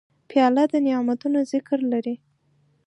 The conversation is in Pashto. پیاله د نعتونو ذکر لري.